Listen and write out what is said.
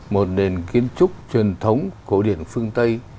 một nền kiến trúc truyền thống cổ điển phương tây